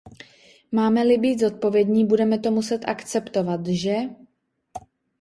Máme-li být zodpovědní, budeme to muset akceptovat, že?